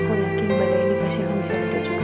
aku yakin pada ini pasti aku bisa berdua juga mas